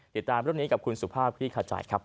ติดตามร่วมนี้กับคุณสุภาพพี่ขาจัยครับ